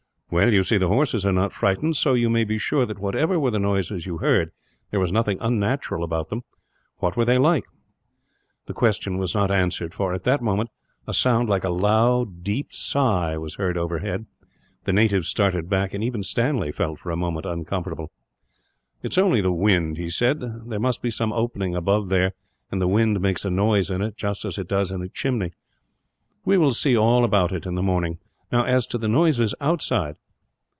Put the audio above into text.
"Well, you see the horses are not frightened; so you may be sure that whatever were the noises you heard, there was nothing unnatural about them. What were they like?" The question was not answered for, at that moment, a sound like a loud deep sigh was heard overhead. The natives started back; and even Stanley felt, for a moment, uncomfortable. "It is only the wind," he said. "There must be some opening above there; and the wind makes a noise in it, just as it does in a chimney. We will see all about it, in the morning. "Now, as to the noises outside."